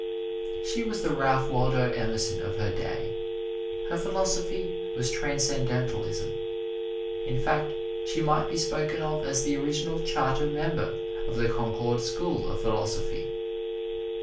She was the Ralph Waldo Emerson of her day. Her philosophy was Transcendentalism. In fact, she might be spoken of as the original charter member of the Concord School of Philosophy.